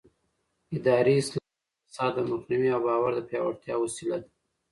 اداري اصلاحات د فساد د مخنیوي او باور د پیاوړتیا وسیله دي